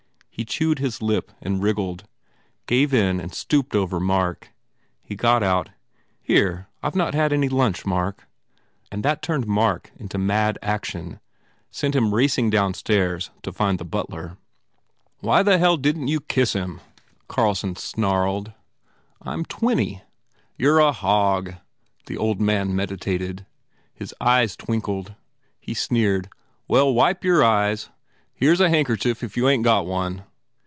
He chewed his lip and wriggled, gave in and stooped over Mark. He got out, "Here, I ve not had any lunch, Mark," and that turned Mark into mad action, sent him racing downstairs to find the butler. "Why the hell didn t you kiss him?" Carlson snarled. "I m twenty" "You re a hog," the old man meditated. His eyes twinkled. He sneered, "Well, wipe your eyes. Here s a handkerchief if you ain t got one."